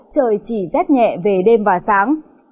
trời chỉ rét nhẹ về đêm và sáng